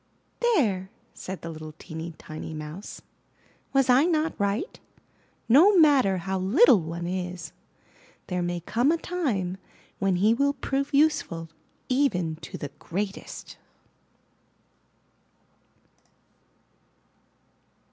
'There," said the little teeny, tiny Mouse, "was I not right? No matter how little one is, there may come a time when he will prove useful even to the greatest."